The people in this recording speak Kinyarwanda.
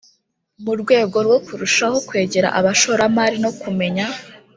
Mu rwego rwo kurushaho kwegera abashoramari no kumenya